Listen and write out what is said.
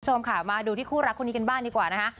คุณผู้ชมค่ะมาดูที่คู่รักคู่นี้กันบ้างดีกว่านะคะ